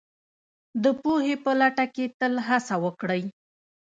د پوهې په لټه کې تل هڅه وکړئ